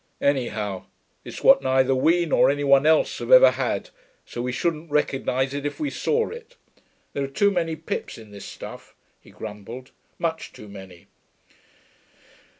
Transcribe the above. Anyhow, it's what neither we nor any one else have ever had, so we shouldn't recognise it if we saw it.... There are too many pips in this stuff,' he grumbled. 'Much too many.'